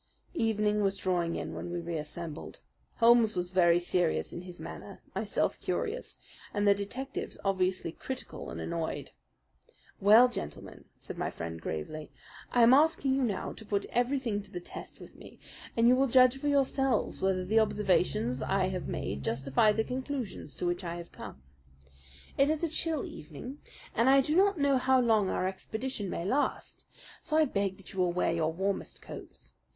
Evening was drawing in when we reassembled. Holmes was very serious in his manner, myself curious, and the detectives obviously critical and annoyed. "Well, gentlemen," said my friend gravely, "I am asking you now to put everything to the test with me, and you will judge for yourselves whether the observations I have made justify the conclusions to which I have come. It is a chill evening, and I do not know how long our expedition may last; so I beg that you will wear your warmest coats.